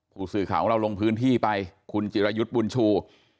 ผู้สื่อข่าวของเราลงพื้นที่ไปคุณจิรายุทธ์บุญชู